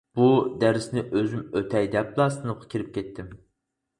بۇ دەرسنى ئۆزۈم ئۆتەي دەپلا، سىنىپقا كىرىپ كەتتى.